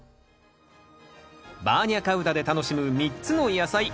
バーニャカウダで楽しむ３つの野菜。